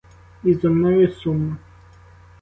І зо мною сумно.